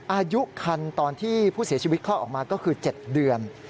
อายุคันตอนที่ผู้เสียชีวิตคลอดออกมาก็คือ๗เดือน